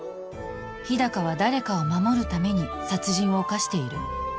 日高は誰かを守るために殺人を犯している？